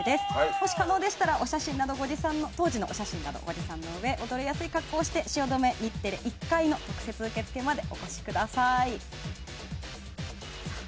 もし可能でしたら当時の写真などご持参のうえ踊りやすい格好をして汐留、日テレ１階の特設受付までお越しください。